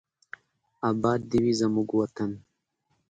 اباد دې وي زموږ وطن.